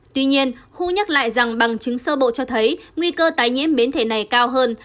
tuy nhiên khu nhắc lại rằng bằng chứng sơ bộ cho thấy nguy cơ tái nhiễm biến thể này cao hơn